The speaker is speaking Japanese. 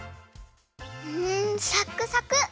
んサックサク！